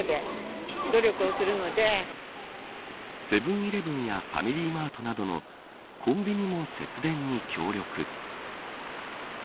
セブン‐イレブンやファミリーマートなどのコンビニも節電に協力。